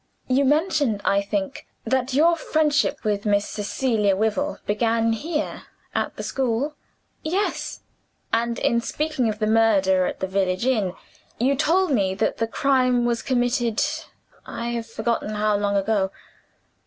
You mentioned, I think, that your friendship with Miss Cecilia Wyvil began here, at the school?" "Yes." "And in speaking of the murder at the village inn, you told me that the crime was committed I have forgotten how long ago?"